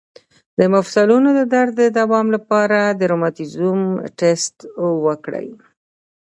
د مفصلونو د درد د دوام لپاره د روماتیزم ټسټ وکړئ